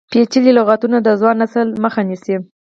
پیچلي لغتونه د ځوان نسل مخه نیسي.